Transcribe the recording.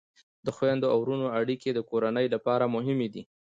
د خویندو او ورونو اړیکې د کورنۍ لپاره مهمې دي.